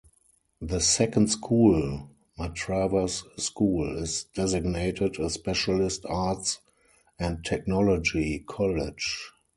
The secondary school, Matravers School, is designated a specialist arts and technology college.